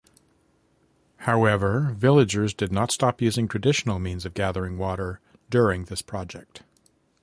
However, villagers did not stop using traditional means of gathering water during this project.